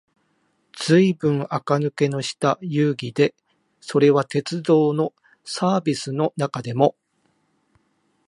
ずいぶん垢抜けのした遊戯で、それは鉄道のサーヴィスの中でも、